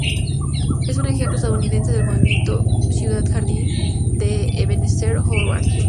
Es un ejemplo estadounidense del Movimiento ciudad jardín de Ebenezer Howard.